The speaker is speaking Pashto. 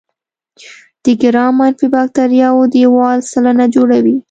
د ګرام منفي باکتریاوو دیوال سلنه جوړوي.